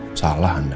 musik salah anda